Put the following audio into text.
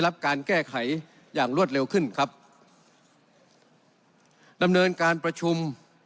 รับการแก้ไขอย่างรวดเร็วขึ้นครับดำเนินการประชุม